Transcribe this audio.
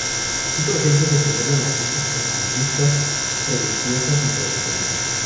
Así por ejemplo se celebran las fiestas costumbristas religiosas y tradicionales.